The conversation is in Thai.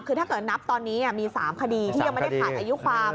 คือถ้าเกิดนับตอนนี้มี๓คดีที่ยังไม่ได้ขาดอายุความ